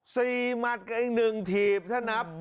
หมัดกับอีกหนึ่งถีบถ้านับ